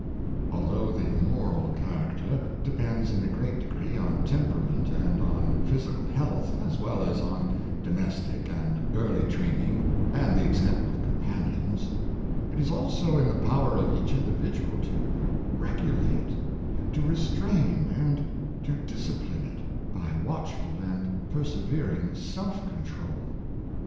Although the moral character depends in a great degree on temperament and on physical health, as well as on domestic and early training and the example of companions, it is also in the power of each individual The Virtue of Patience, 475 to regulate, to restrain and to discipline it by watchful and persevering self control.